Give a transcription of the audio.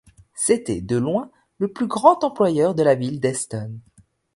C'était, de loin, le plus grand employeur de la ville d'Hesston.